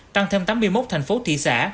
tăng thêm tám mươi một thành phố thị xã